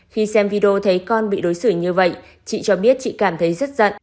khi xem video thấy con bị đối xử như vậy chị cho biết chị cảm thấy rất giận